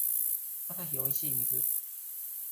アサヒおいしい水